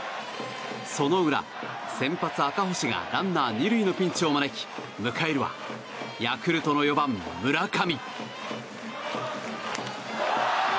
その裏、先発、赤星がランナー２塁のピンチを招き迎えるはヤクルトの４番、村上。